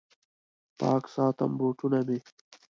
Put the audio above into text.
پاک ساتم بوټونه مې